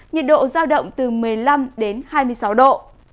nhiệt độ giao động từ một mươi năm đến hai mươi sáu độ